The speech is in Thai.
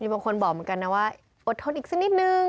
บางคนบอกเหมือนกันนะว่าอดทนอีกสักนิดนึง